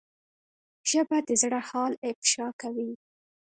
ژبه د زړه حال افشا کوي